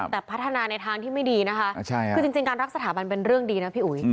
แต่พัฒนาในทางที่ไม่ดีนะคะคือจริงการรักสถาบันเป็นเรื่องดีนะพี่อุ๋ย